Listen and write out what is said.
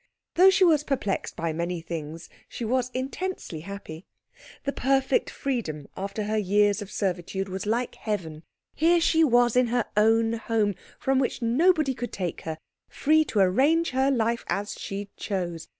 Though she was perplexed by many things, she was intensely happy. The perfect freedom, after her years of servitude, was like heaven. Here she was in her own home, from which nobody could take her, free to arrange her life as she chose.